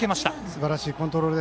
すばらしいコントロール。